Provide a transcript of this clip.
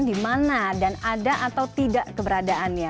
dimana dan ada atau tidak keberadaannya